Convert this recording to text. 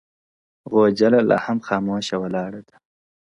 • غوجله لا هم خاموشه ولاړه ده..